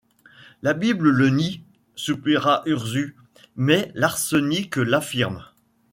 La bible le nie, soupira Ursus, mais l’arsenic l’affirme.